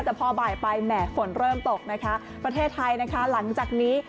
แต่พอบ่ายไปแหม่ฝนเริ่มตกนะคะประเทศไทยนะคะหลังจากนี้